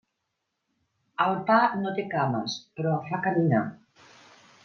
El pa no té cames, però fa caminar.